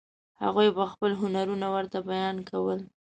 هغوی به خپل هنرونه ورته بیان کول.